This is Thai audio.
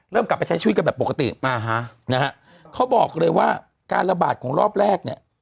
กลับไปใช้ชีวิตกันแบบปกติอ่าฮะนะฮะเขาบอกเลยว่าการระบาดของรอบแรกเนี่ย